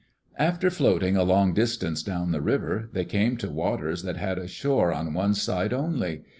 After floating a long distance down the river, they came to waters that had a shore on one side only.